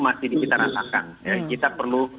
masih di kita rasakan kita perlu